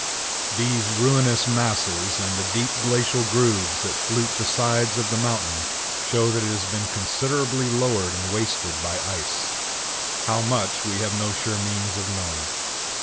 These ruinous masses, and the deep glacial grooves that flute the sides of the mountain, show that it has been considerably lowered and wasted by ice; how much we have no sure means of knowing.